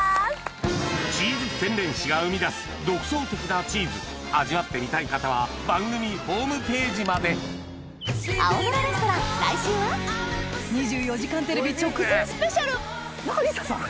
チーズ洗練士が生み出す独創的なチーズ味わってみたい方は番組ホームページまで『２４時間テレビ』直前スペシャル仲里依紗さん？